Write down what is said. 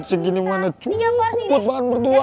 udah segini mana cukup buat bahan berdua